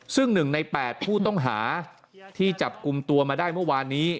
ซึ่ง๑ใน๘ผู้ต้องหาที่จับกลุ่มตัวมาได้เมื่อวานนี้